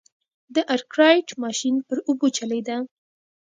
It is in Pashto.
د ارکرایټ ماشین پر اوبو چلېده.